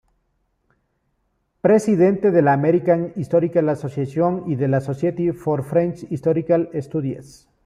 Presidente de la "American Historical Association" y la "Society for French Historical Studies".